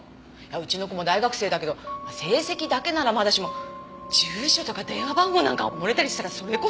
うちの子も大学生だけど成績だけならまだしも住所とか電話番号なんかも漏れたりしたらそれこそ大問題！